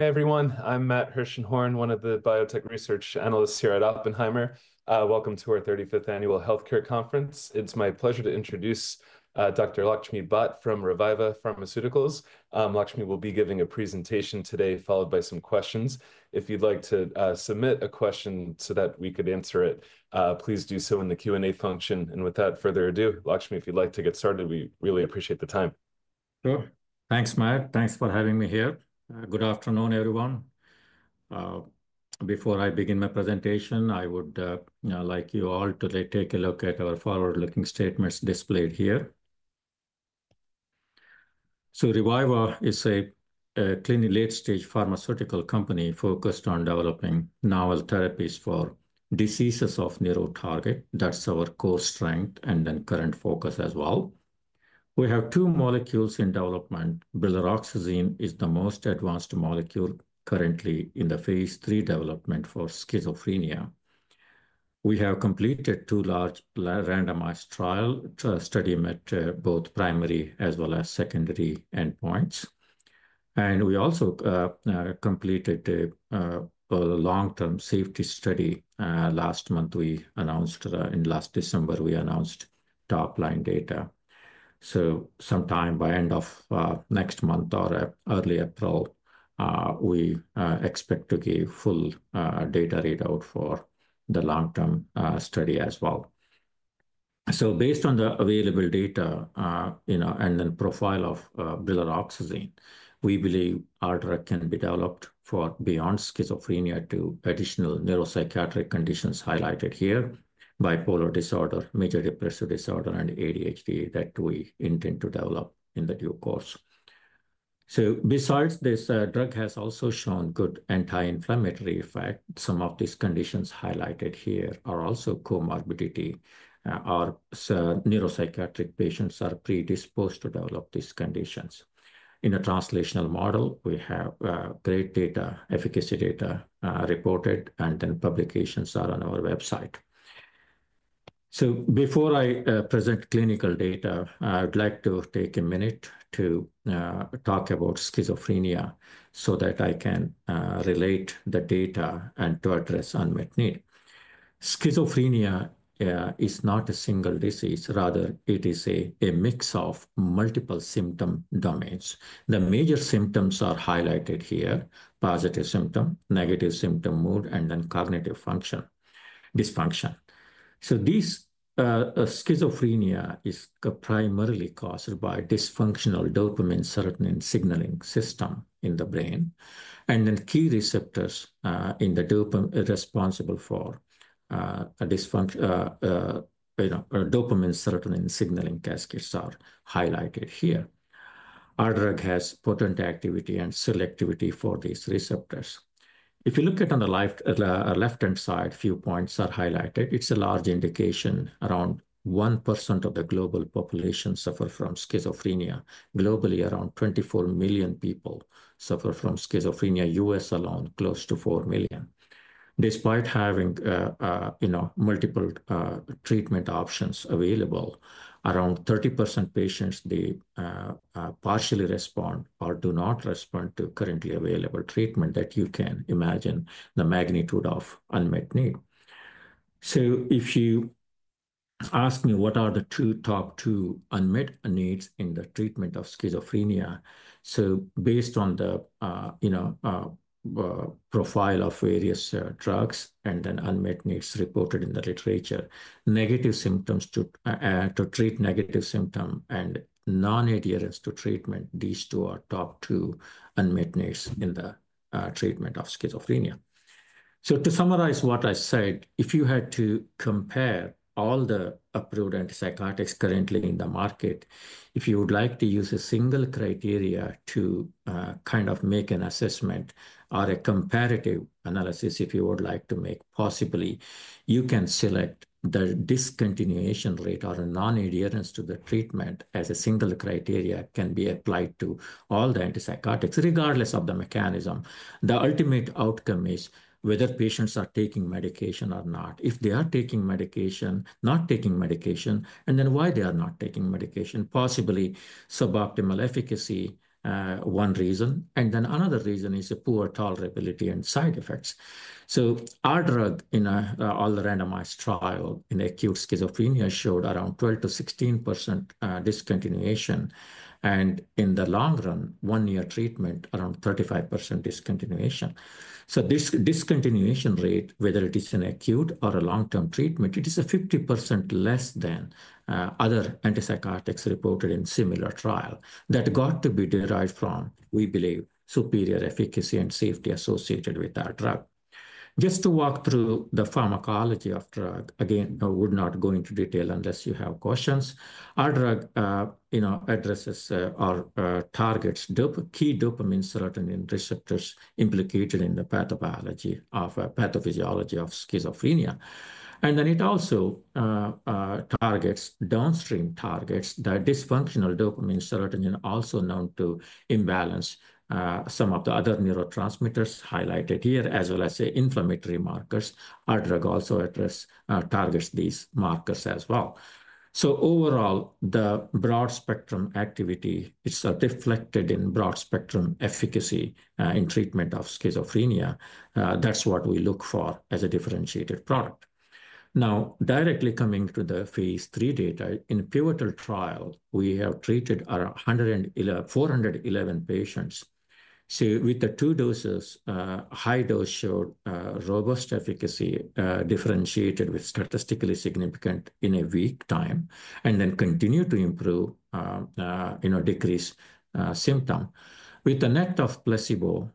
Hey, everyone. I'm Matthew Hershenhorn, one of the biotech research analysts here at Oppenheimer. Welcome to our 35th Annual Healthcare Conference. It's my pleasure to introduce Dr. Laxminarayan Bhat from Reviva Pharmaceuticals. Laxminarayan will be giving a presentation today, followed by some questions. If you'd like to submit a question so that we could answer it, please do so in the Q&A function. Without further ado, Laxminarayan, if you'd like to get started, we really appreciate the time. Sure. Thanks, Matt. Thanks for having me here. Good afternoon, everyone. Before I begin my presentation, I would like you all to take a look at our forward-looking statements displayed here. Reviva is a clinically late-stage pharmaceutical company focused on developing novel therapies for diseases of narrow target. That's our core strength and then current focus as well. We have two molecules in development. brilaroxazine is the most advanced molecule currently in the phase three development for schizophrenia. We have completed two large randomized trial studies at both primary as well as secondary endpoints. We also completed a long-term safety study last month. In last December, we announced top-line data. Sometime by end of next month or early April, we expect to give full data readout for the long-term study as well. Based on the available data and the profile of brilaroxazine, we believe our drug can be developed for beyond schizophrenia to additional neuropsychiatric conditions highlighted here: bipolar disorder, major depressive disorder, and ADHD that we intend to develop in the due course. Besides this, the drug has also shown good anti-inflammatory effects. Some of these conditions highlighted here are also comorbidity. Our neuropsychiatric patients are predisposed to develop these conditions. In a translational model, we have great data, efficacy data reported, and publications are on our website. Before I present clinical data, I would like to take a minute to talk about schizophrenia so that I can relate the data and to address unmet need. Schizophrenia is not a single disease. Rather, it is a mix of multiple symptom domains. The major symptoms are highlighted here: positive symptom, negative symptom, mood, and cognitive function dysfunction. Schizophrenia is primarily caused by dysfunctional dopamine serotonin signaling system in the brain. The key receptors responsible for dopamine serotonin signaling cascades are highlighted here. Our drug has potent activity and selectivity for these receptors. If you look at on the left-hand side, a few points are highlighted. It's a large indication. Around 1% of the global population suffers from schizophrenia. Globally, around 24 million people suffer from schizophrenia. U.S. alone, close to 4 million. Despite having multiple treatment options available, around 30% of patients, they partially respond or do not respond to currently available treatment that you can imagine the magnitude of unmet need. If you ask me what are the top two unmet needs in the treatment of schizophrenia, based on the profile of various drugs and unmet needs reported in the literature, negative symptoms, to treat negative symptoms, and non-adherence to treatment, these two are the top two unmet needs in the treatment of schizophrenia. To summarize what I said, if you had to compare all the approved antipsychotics currently in the market, if you would like to use a single criteria to kind of make an assessment or a comparative analysis, if you would like to make possibly, you can select the discontinuation rate or non-adherence to the treatment as a single criteria that can be applied to all the antipsychotics, regardless of the mechanism. The ultimate outcome is whether patients are taking medication or not. If they are taking medication, not taking medication, and then why they are not taking medication, possibly suboptimal efficacy, one reason. Another reason is poor tolerability and side effects. Our drug in all the randomized trials in acute schizophrenia showed around 12%-16% discontinuation. In the long run, one-year treatment, around 35% discontinuation. This discontinuation rate, whether it is an acute or a long-term treatment, is 50% less than other antipsychotics reported in similar trials. That has to be derived from, we believe, superior efficacy and safety associated with our drug. Just to walk through the pharmacology of the drug, again, I would not go into detail unless you have questions. Our drug addresses or targets key dopamine serotonin receptors implicated in the pathophysiology of schizophrenia. It also targets downstream targets, the dysfunctional dopamine serotonin, also known to imbalance some of the other neurotransmitters highlighted here, as well as inflammatory markers. Our drug also targets these markers as well. Overall, the broad-spectrum activity, it's reflected in broad-spectrum efficacy in treatment of schizophrenia. That's what we look for as a differentiated product. Now, directly coming to the phase three data, in a pivotal trial, we have treated 411 patients. With the two doses, high dose showed robust efficacy differentiated with statistically significant in a week time and then continued to improve, decrease symptom. With the net of placebo,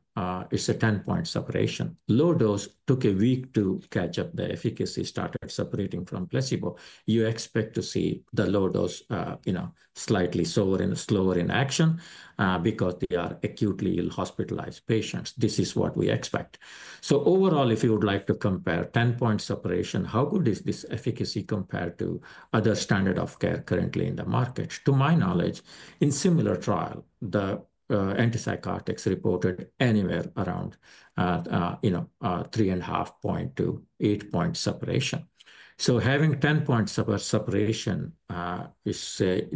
it's a 10-point separation. Low dose took a week to catch up. The efficacy started separating from placebo. You expect to see the low dose slightly slower in action because they are acutely ill hospitalized patients. This is what we expect. Overall, if you would like to compare 10-point separation, how good is this efficacy compared to other standard of care currently in the market? To my knowledge, in similar trials, the antipsychotics reported anywhere around 3.5-8-point separation. Having 10-point separation,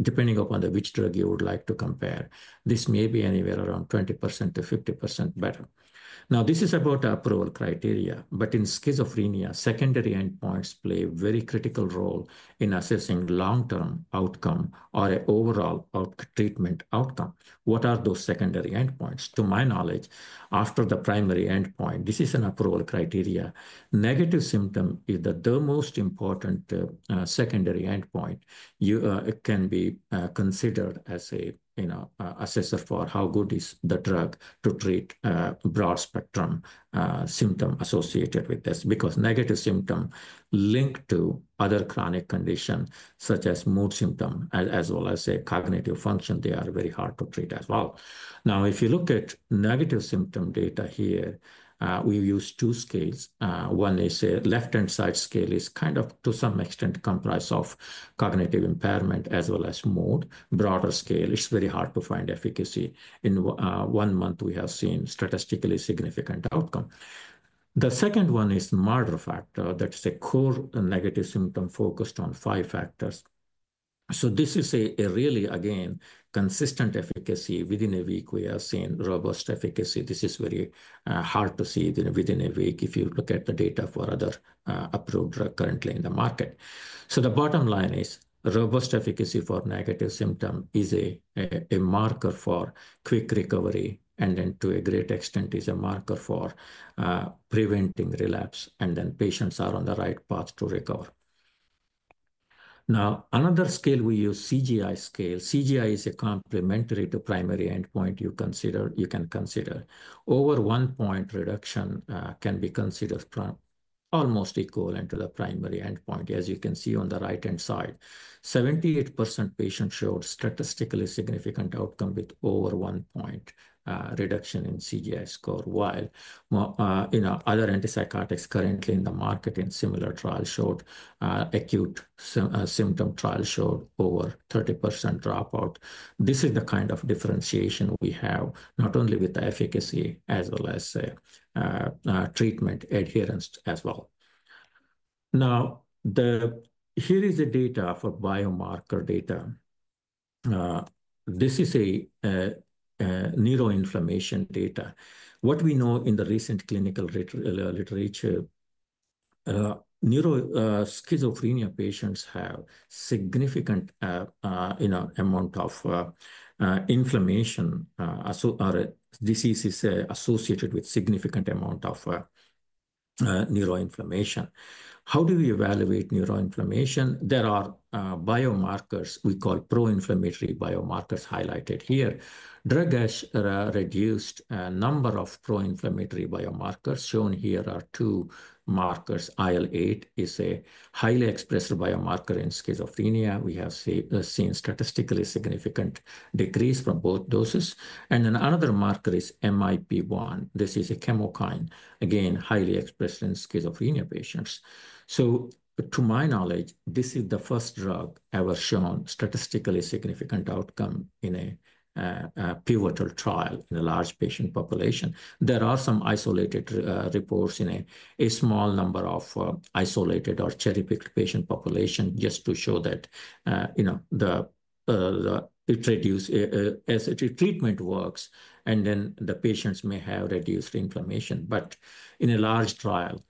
depending upon which drug you would like to compare, this may be anywhere around 20%-50% better. This is about approval criteria. In schizophrenia, secondary endpoints play a very critical role in assessing long-term outcome or an overall treatment outcome. What are those secondary endpoints? To my knowledge, after the primary endpoint, this is an approval criteria. Negative symptom is the most important secondary endpoint. It can be considered as an assessor for how good is the drug to treat broad-spectrum symptom associated with this because negative symptom linked to other chronic conditions, such as mood symptom as well as cognitive function, they are very hard to treat as well. Now, if you look at negative symptom data here, we use two scales. One is a left-hand side scale is kind of to some extent comprised of cognitive impairment as well as mood. Broader scale, it's very hard to find efficacy. In one month, we have seen statistically significant outcome. The second one is Marder factor. That's a core negative symptom focused on five factors. So this is a really, again, consistent efficacy. Within a week, we have seen robust efficacy. This is very hard to see within a week if you look at the data for other approved drugs currently in the market. The bottom line is robust efficacy for negative symptom is a marker for quick recovery. To a great extent, it's a marker for preventing relapse. Patients are on the right path to recover. Another scale we use, CGI scale. CGI is complementary to primary endpoint you can consider. Over one-point reduction can be considered almost equal to the primary endpoint, as you can see on the right-hand side. 78% patients showed statistically significant outcome with over one-point reduction in CGI score, while other antipsychotics currently in the market in similar trials showed acute symptom trials showed over 30% dropout. This is the kind of differentiation we have, not only with the efficacy as well as treatment adherence as well. Here is the data for biomarker data. This is a neuroinflammation data. What we know in the recent clinical literature, schizophrenia patients have significant amount of inflammation or diseases associated with significant amount of neuroinflammation. How do we evaluate neuroinflammation? There are biomarkers we call pro-inflammatory biomarkers highlighted here. Drug has reduced a number of pro-inflammatory biomarkers. Shown here are two markers. IL-8 is a highly expressed biomarker in schizophrenia. We have seen statistically significant decrease from both doses. Another marker is MIP-1. This is a chemokine, again, highly expressed in schizophrenia patients. To my knowledge, this is the first drug ever shown statistically significant outcome in a pivotal trial in a large patient population. There are some isolated reports in a small number of isolated or cherry-picked patient population just to show that it reduces as the treatment works. The patients may have reduced inflammation. In a large trial,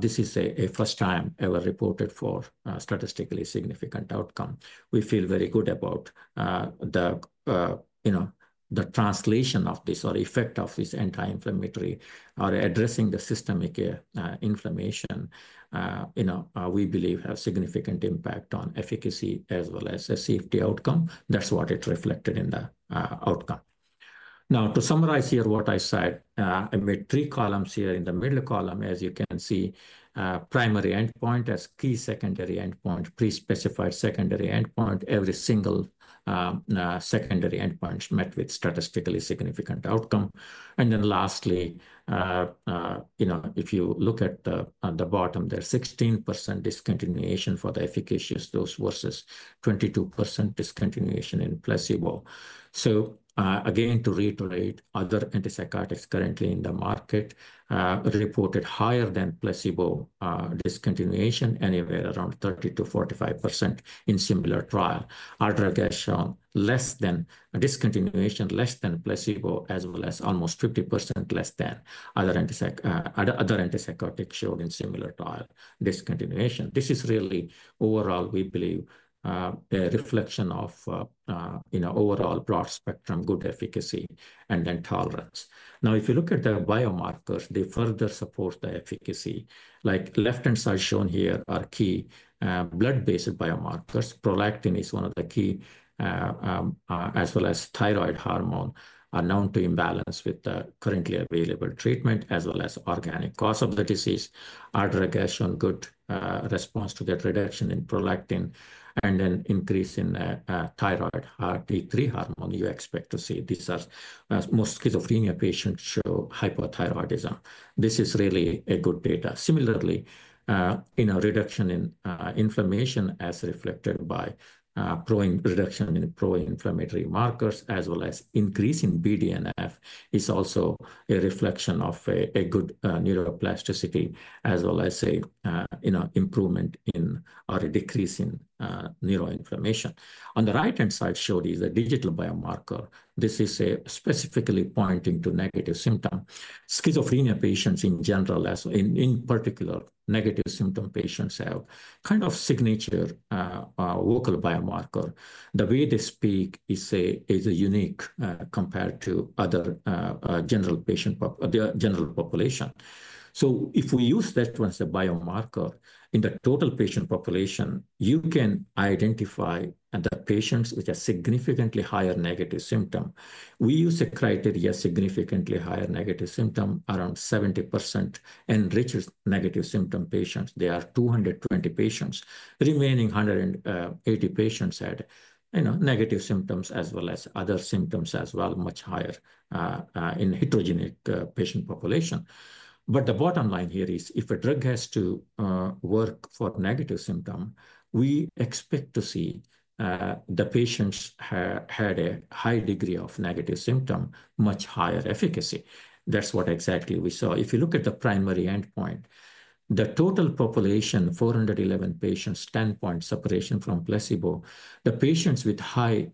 this is a first time ever reported for statistically significant outcome. We feel very good about the translation of this or effect of this anti-inflammatory or addressing the systemic inflammation. We believe has significant impact on efficacy as well as a safety outcome. That's what it reflected in the outcome. Now, to summarize here what I said, I made three columns here in the middle column, as you can see, primary endpoint as key secondary endpoint, pre-specified secondary endpoint, every single secondary endpoint met with statistically significant outcome. Lastly, if you look at the bottom, there's 16% discontinuation for the efficacious dose versus 22% discontinuation in placebo. Again, to reiterate, other antipsychotics currently in the market reported higher than placebo discontinuation, anywhere around 30%-45% in similar trial. Our drug has shown less than discontinuation, less than placebo, as well as almost 50% less than other antipsychotics showed in similar trial discontinuation. This is really overall, we believe, a reflection of overall broad-spectrum good efficacy and then tolerance. Now, if you look at the biomarkers, they further support the efficacy. Like left-hand side shown here are key blood-based biomarkers. Prolactin is one of the key, as well as thyroid hormone, are known to imbalance with the currently available treatment, as well as organic cause of the disease. Our drug has shown good response to that reduction in prolactin and then increase in thyroid T3 hormone you expect to see. These are most schizophrenia patients show hypothyroidism. This is really good data. Similarly, reduction in inflammation as reflected by reduction in pro-inflammatory markers as well as increase in BDNF is also a reflection of a good neuroplasticity as well as an improvement or a decrease in neuroinflammation. On the right-hand side shown is a digital biomarker. This is specifically pointing to negative symptom. Schizophrenia patients in general, in particular, negative symptom patients have kind of signature vocal biomarker. The way they speak is unique compared to other general population. If we use that once a biomarker in the total patient population, you can identify the patients with a significantly higher negative symptom. We use a criteria significantly higher negative symptom, around 70% enriched negative symptom patients. There are 220 patients. Remaining 180 patients had negative symptoms as well as other symptoms as well, much higher in heterogenic patient population. The bottom line here is if a drug has to work for negative symptom, we expect to see the patients had a high degree of negative symptom, much higher efficacy. That's what exactly we saw. If you look at the primary endpoint, the total population, 411 patients, 10-point separation from placebo, the patients with high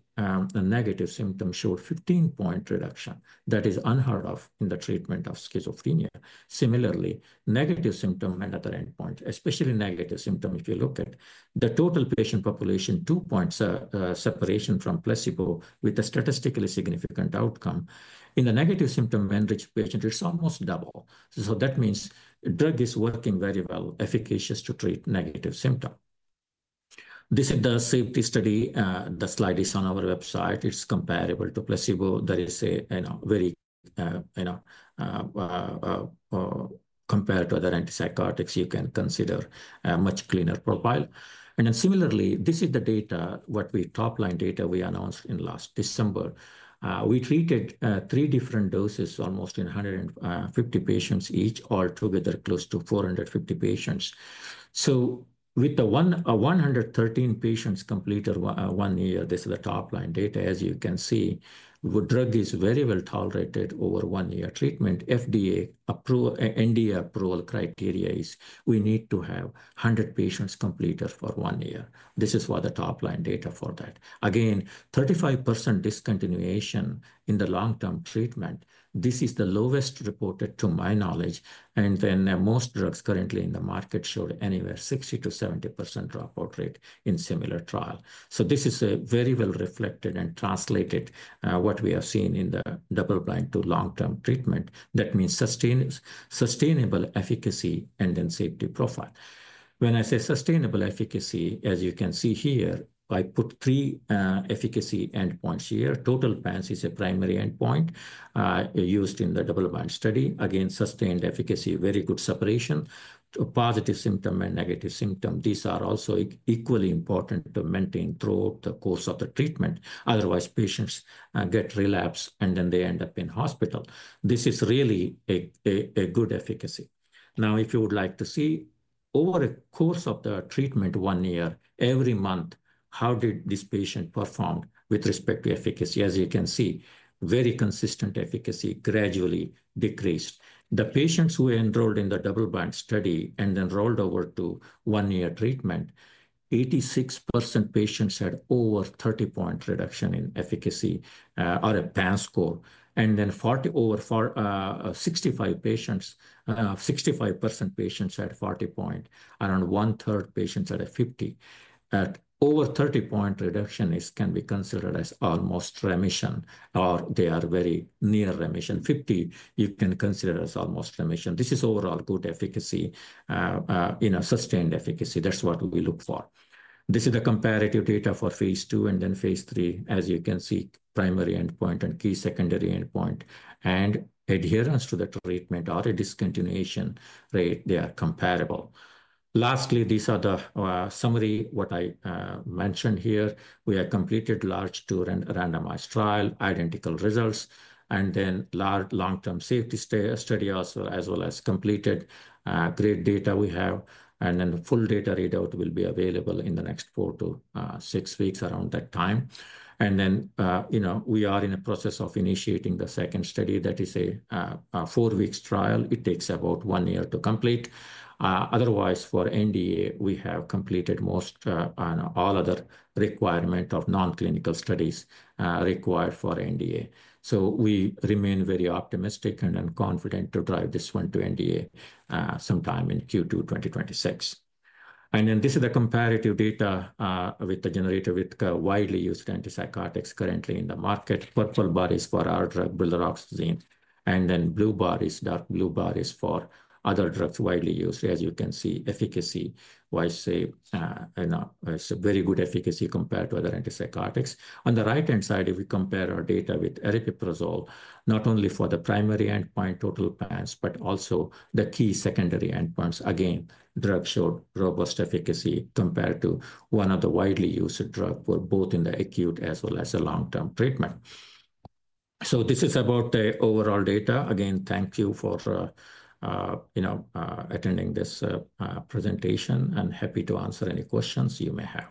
negative symptom showed 15-point reduction. That is unheard of in the treatment of schizophrenia. Similarly, negative symptom and other endpoint, especially negative symptom, if you look at the total patient population, 2-point separation from placebo with a statistically significant outcome. In the negative symptom enriched patient, it's almost double. That means drug is working very well, efficacious to treat negative symptom. This is the safety study. The slide is on our website. It's comparable to placebo. There is a very compared to other antipsychotics, you can consider a much cleaner profile. Then similarly, this is the data, what we topline data we announced in last December. We treated three different doses, almost 150 patients each, altogether close to 450 patients. With the 113 patients completed one year, this is the topline data. As you can see, the drug is very well tolerated over one-year treatment. FDA NDA approval criteria is we need to have 100 patients completed for one year. This is what the topline data for that. Again, 35% discontinuation in the long-term treatment. This is the lowest reported to my knowledge. Most drugs currently in the market showed anywhere 60%-70% dropout rate in similar trial. This is very well reflected and translated what we have seen in the double-blind to long-term treatment. That means sustainable efficacy and then safety profile. When I say sustainable efficacy, as you can see here, I put three efficacy endpoints here. Total PANSS is a primary endpoint used in the double-blind study. Again, sustained efficacy, very good separation, positive symptom and negative symptom. These are also equally important to maintain throughout the course of the treatment. Otherwise, patients get relapse, and then they end up in hospital. This is really a good efficacy. Now, if you would like to see over a course of the treatment one year, every month, how did this patient perform with respect to efficacy? As you can see, very consistent efficacy gradually decreased. The patients who enrolled in the double-blind study and then rolled over to one-year treatment, 86% patients had over 30-point reduction in efficacy or a PANSS score. And then over 65% patients had 40-point, around one-third patients had a 50. Over 30-point reduction can be considered as almost remission, or they are very near remission. Fifty, you can consider as almost remission. This is overall good efficacy in a sustained efficacy. That's what we look for. This is the comparative data for phase two and then phase three. As you can see, primary endpoint and key secondary endpoint and adherence to the treatment or a discontinuation rate, they are comparable. Lastly, these are the summary what I mentioned here. We have completed large two-arm and randomized trial, identical results, and then large long-term safety study as well as completed great data we have. The full data readout will be available in the next four to six weeks around that time. We are in the process of initiating the second study. That is a four-week trial. It takes about one year to complete. Otherwise, for NDA, we have completed most all other requirement of non-clinical studies required for NDA. We remain very optimistic and confident to drive this one to NDA sometime in Q2 2026. This is the comparative data with the generator with widely used antipsychotics currently in the market. Purple bar is for our drug, brilaroxazine. Blue bar, dark blue bar, is for other drugs widely used. As you can see, efficacy-wise, it's a very good efficacy compared to other antipsychotics. On the right-hand side, if we compare our data with aripiprazole, not only for the primary endpoint, total PANSS, but also the key secondary endpoints, again, drug showed robust efficacy compared to one of the widely used drugs for both in the acute as well as the long-term treatment. This is about the overall data. Again, thank you for attending this presentation and happy to answer any questions you may have.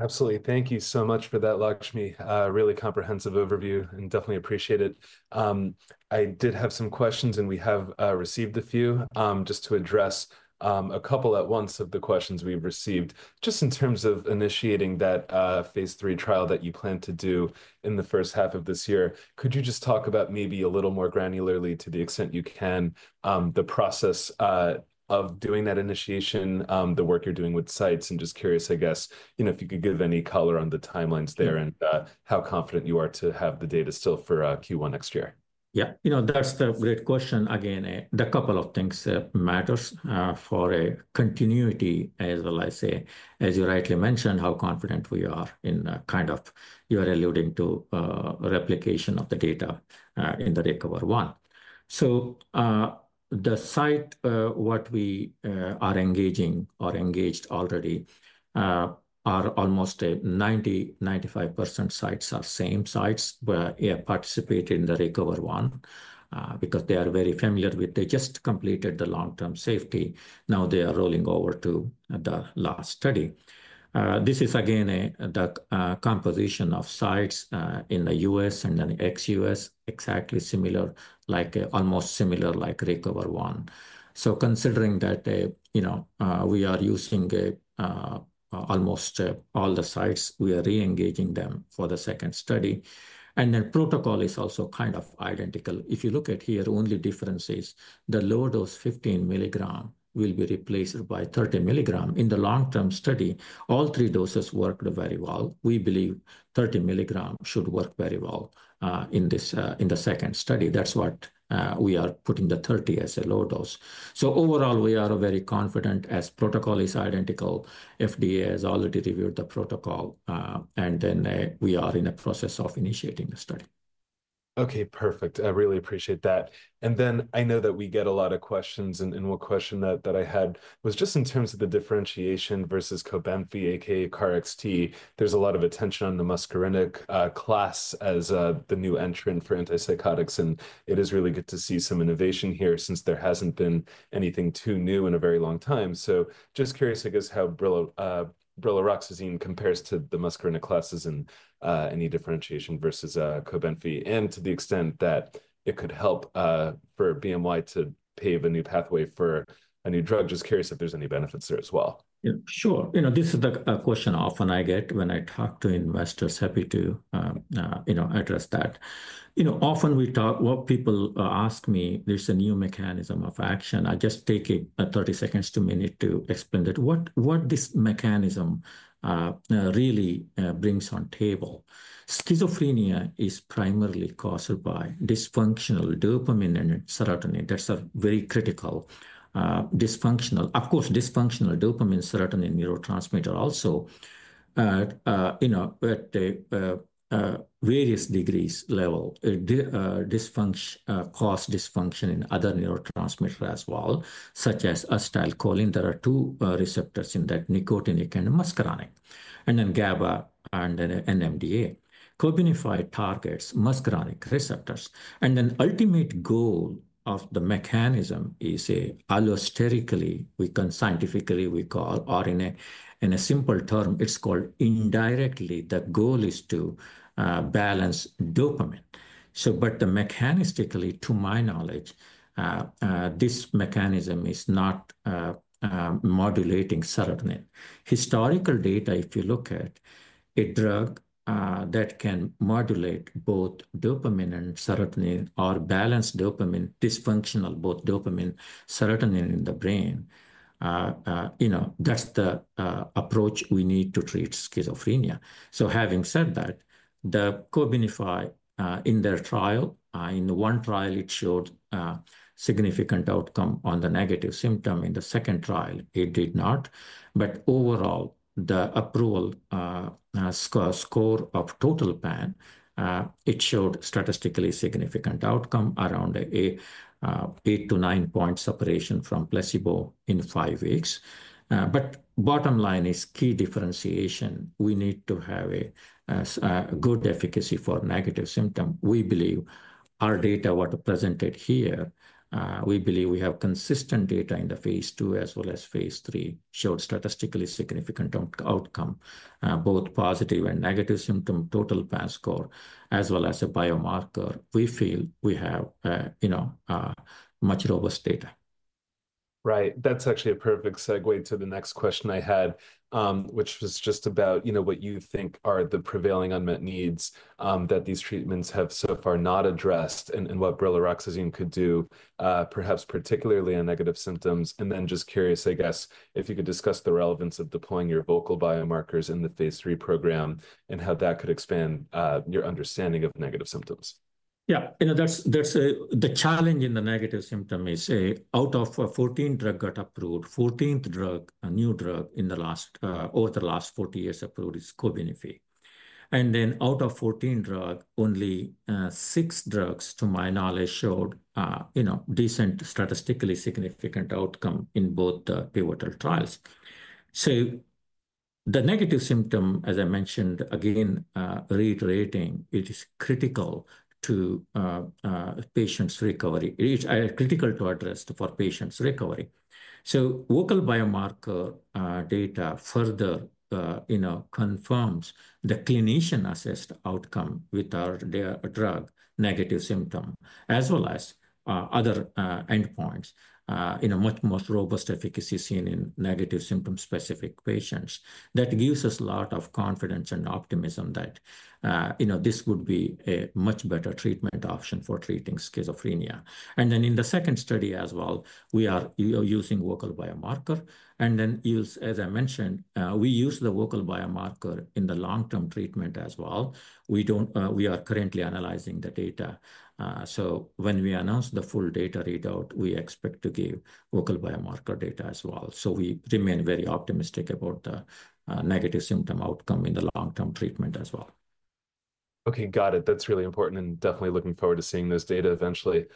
Absolutely. Thank you so much for that, Laxminarayan. Really comprehensive overview and definitely appreciate it. I did have some questions, and we have received a few just to address a couple at once of the questions we've received. Just in terms of initiating that phase three trial that you plan to do in the first half of this year, could you just talk about maybe a little more granularly to the extent you can the process of doing that initiation, the work you're doing with sites? Just curious, I guess, if you could give any color on the timelines there and how confident you are to have the data still for Q1 next year. Yeah. That's the great question. Again, the couple of things matters for continuity, as well as, as you rightly mentioned, how confident we are in kind of you are alluding to replication of the data in the RECOVER-1. The site, what we are engaging or engaged already are almost 90%-95% sites are same sites where they participated in the RECOVER-1 because they are very familiar with. They just completed the long-term safety. Now they are rolling over to the last study. This is, again, the composition of sites in the U.S. and then ex-U.S., exactly similar, like almost similar like RECOVER-1. Considering that we are using almost all the sites, we are re-engaging them for the second study. The protocol is also kind of identical. If you look at here, only difference is the low dose 15 milligram will be replaced by 30 milligram. In the long-term study, all three doses worked very well. We believe 30 milligram should work very well in the second study. That's what we are putting the 30 as a low dose. Overall, we are very confident as protocol is identical. FDA has already reviewed the protocol. We are in the process of initiating the study. Okay. Perfect. I really appreciate that. I know that we get a lot of questions. One question that I had was just in terms of the differentiation versus Cobenfy, aka KarXT. There's a lot of attention on the muscarinic class as the new entrant for antipsychotics. It is really good to see some innovation here since there hasn't been anything too new in a very long time. Just curious, I guess, how Brilaroxazine compares to the muscarinic classes and any differentiation versus Cobenfy and to the extent that it could help for BMY to pave a new pathway for a new drug. Just curious if there's any benefits there as well. Yeah, sure. This is a question often I get when I talk to investors. Happy to address that. Often what people ask me, there's a new mechanism of action. I just take 30 seconds to a minute to explain that what this mechanism really brings on table. Schizophrenia is primarily caused by dysfunctional dopamine and serotonin. That's a very critical dysfunctional. Of course, dysfunctional dopamine, serotonin, neurotransmitter also at various degrees level. Cause dysfunction in other neurotransmitters as well, such as acetylcholine. There are two receptors in that, nicotinic and muscarinic. And then GABA and then NMDA. Cobenfy targets muscarinic receptors. The ultimate goal of the mechanism is allosterically, scientifically we call, or in a simple term, it's called indirectly, the goal is to balance dopamine. Mechanistically, to my knowledge, this mechanism is not modulating serotonin. Historical data, if you look at a drug that can modulate both dopamine and serotonin or balance dopamine, dysfunctional both dopamine, serotonin in the brain, that's the approach we need to treat schizophrenia. Having said that, the Cobenfy in their trial, in one trial, it showed significant outcome on the negative symptom. In the second trial, it did not. Overall, the approval score of total PANSS, it showed statistically significant outcome around an 8-9 point separation from placebo in five weeks. The bottom line is key differentiation. We need to have a good efficacy for negative symptom. We believe our data were presented here. We believe we have consistent data in the phase two as well as phase three showed statistically significant outcome, both positive and negative symptom, total PANSS score, as well as a biomarker. We feel we have much robust data. Right. That's actually a perfect segue to the next question I had, which was just about what you think are the prevailing unmet needs that these treatments have so far not addressed and what brilaroxazine could do, perhaps particularly on negative symptoms. And then just curious, I guess, if you could discuss the relevance of deploying your vocal biomarkers in the phase three program and how that could expand your understanding of negative symptoms. Yeah. The challenge in the negative symptom is out of 14 drugs got approved, 14th drug, a new drug in the last over the last 40 years approved is Cobenfy. Out of 14 drugs, only six drugs, to my knowledge, showed decent statistically significant outcome in both the pivotal trials. The negative symptom, as I mentioned, again, reiterating, it is critical to patients' recovery. It's critical to address for patients' recovery. Vocal biomarker data further confirms the clinician-assessed outcome with our drug negative symptom, as well as other endpoints in a much more robust efficacy seen in negative symptom-specific patients. That gives us a lot of confidence and optimism that this would be a much better treatment option for treating schizophrenia. In the second study as well, we are using vocal biomarker. As I mentioned, we use the vocal biomarker in the long-term treatment as well. We are currently analyzing the data. When we announce the full data readout, we expect to give vocal biomarker data as well. We remain very optimistic about the negative symptom outcome in the long-term treatment as well. Okay. Got it. That's really important and definitely looking forward to seeing those data eventually.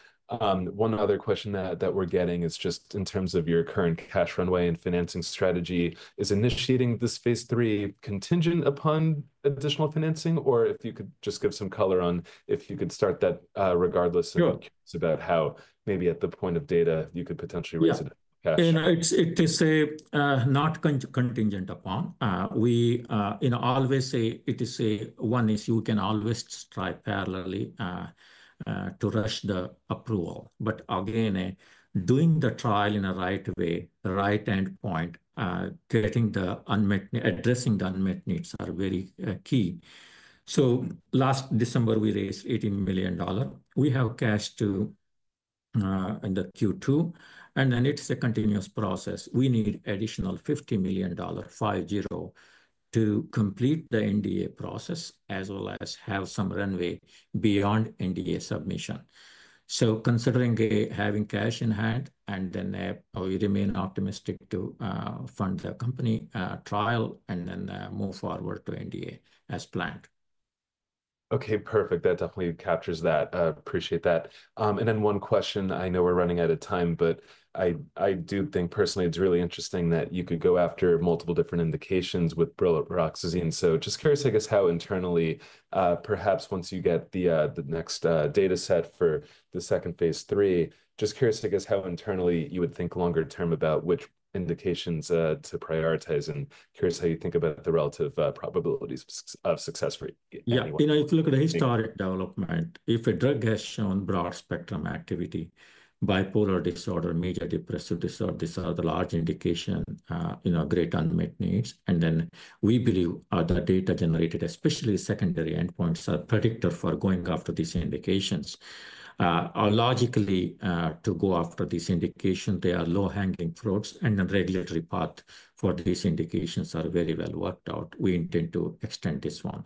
One other question that we're getting is just in terms of your current cash runway and financing strategy. Is initiating this phase three contingent upon additional financing? Or if you could just give some color on if you could start that regardless. I'm curious about how maybe at the point of data, you could potentially raise a cash. It is not contingent upon. We always say it is one is you can always try parallelly to rush the approval. Again, doing the trial in a right way, right endpoint, addressing the unmet needs are very key. Last December, we raised $18 million. We have cash in the Q2. It is a continuous process. We need additional $50 million, 5-0, to complete the NDA process as well as have some runway beyond NDA submission. Considering having cash in hand, and then we remain optimistic to fund the company trial and then move forward to NDA as planned. Okay. Perfect. That definitely captures that. I appreciate that. One question. I know we're running out of time, but I do think personally it's really interesting that you could go after multiple different indications with brilaroxazine. Just curious, I guess, how internally, perhaps once you get the next data set for the second phase three, just curious, I guess, how internally you would think longer term about which indications to prioritize and curious how you think about the relative probabilities of success for anyone. If you look at the historic development, if a drug has shown broad spectrum activity, bipolar disorder, major depressive disorder, these are the large indications, great unmet needs. We believe the data generated, especially secondary endpoints, are predictive for going after these indications. Logically, to go after these indications, they are low-hanging fruits. The regulatory path for these indications is very well worked out. We intend to extend this one.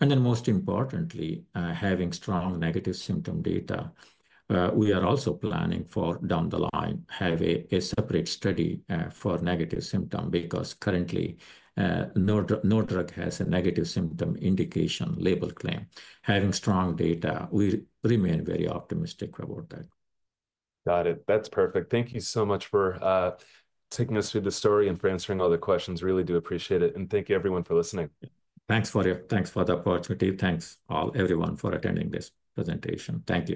Most importantly, having strong negative symptom data, we are also planning for down the line to have a separate study for negative symptoms because currently, no drug has a negative symptom indication label claim. Having strong data, we remain very optimistic about that. Got it. That's perfect. Thank you so much for taking us through the story and for answering all the questions. Really do appreciate it. Thank you, everyone, for listening. Thanks, Matthew. Thanks for the opportunity. Thanks all, everyone, for attending this presentation. Thank you.